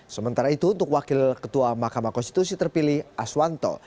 sementara itu untuk wakil ketua mahkamah konstitusi terpilih aswanto